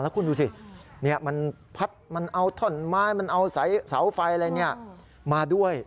คุณดูสิมันพัดมันเอาท่อนไม้มันเอาเสาไฟอะไรมาด้วย